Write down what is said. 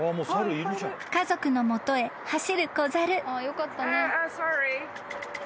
［家族の元へ走る子猿］